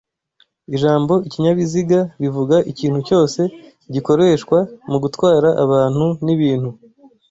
Ijambo ikinyabiziga bivuga ikintu cyose gikoreshwa mu gutwara abantu n'ibintu